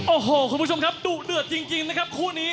โอ้โหคุณผู้ชมครับดุเดือดจริงนะครับคู่นี้